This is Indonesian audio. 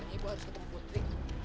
ibu harus ketemu putri